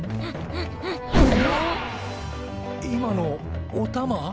今のおたま？